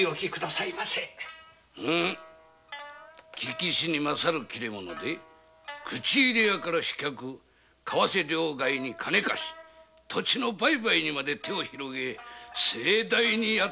聞きしに勝る切れ者で口入れ屋から飛脚為替両替金貸し土地の売買まで手を広げて盛大にやっておるそうだの。